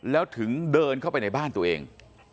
แล้วถึงเดินเข้าไปในบ้านตัวเอง